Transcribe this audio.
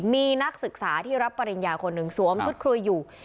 มีนักศึกษาที่รับปริญญาคนหนึ่งสวมชุดคุยอยู่